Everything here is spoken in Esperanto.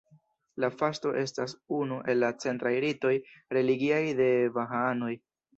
La Fasto estas unu el la centraj ritoj religiaj de la bahaanoj.